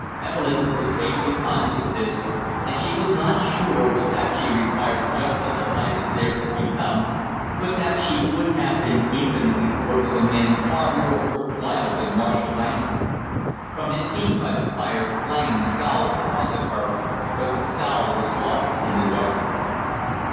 Evelyn was vaguely conscious of this and she was not sure but that she required just such a life as theirs had become, but that she would have been infinitely bored with a man far more worth while than Marshall Langham. From his seat by the fire Langham scowled across at her, but the scowl was lost in the darkness.